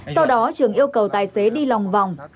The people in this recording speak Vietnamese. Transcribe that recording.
sau đó trường yêu cầu tài xế đi lòng vòng